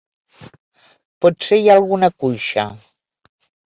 Potser hi ha alguna cuixa.